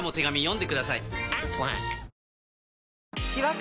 ん？